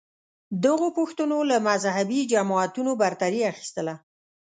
دغو پوښتنو له مذهبې جماعتونو برتري اخیستله